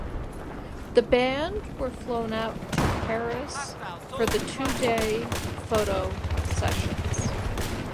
The band were flown out to Paris for the two-day photo sessions.